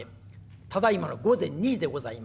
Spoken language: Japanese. ただいまの午前２時でございます。